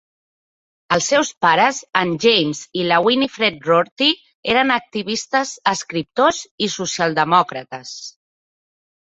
Els seus pares, en James i la Winifred Rorty, eren activistes, escriptors i socialdemòcrates.